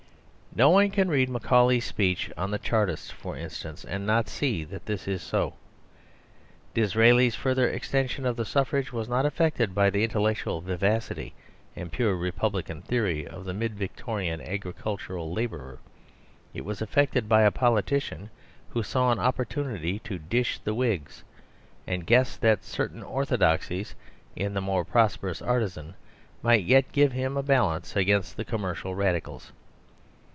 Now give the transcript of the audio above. No one can read Macaulay's speech on the Chartists, for instance, and not see that this is so. Disraeli's further extension of the suffrage was not effected by the intellectual vivacity and pure republican theory of the mid Victorian agricultural labourer; it was effected by a politician who saw an opportunity to dish the Whigs, and guessed that certain orthodoxies in the more prosperous artisan might yet give him a balance against the commercial Radicals.